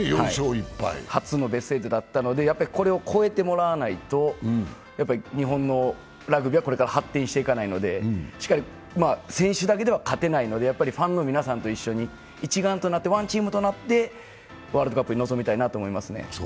初のベスト８だったのでこれを超えていかないと日本のラグビーはこれから発展していかなので選手だけでは勝てないのでファンの皆さんと一緒に一丸となって、ワンチームとなってワールドカップに臨みたいと思いますね。